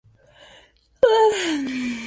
El sistema de ignición era una magneto de Bosch.